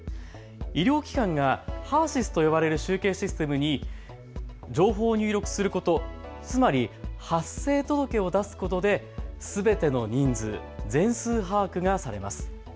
医療機関がＨＥＲ−ＳＹＳと呼ばれる集計システムに情報を入力すること、つまり発生届を出すことですべての人数、全数把握がされます。